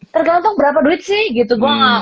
tergantung berapa duit sih gitu gue